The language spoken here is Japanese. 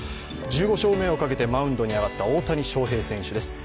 １５勝目をかけてマウンドに上がった大谷翔平選手です。